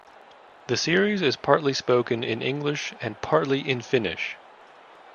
The series is partly spoken in English and partly in Finnish.